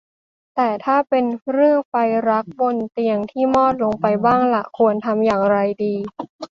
แต่ถ้าเป็นเรื่องไฟรักบนเตียงที่มอดลงไปบ้างล่ะ ควรทำอย่างไรดี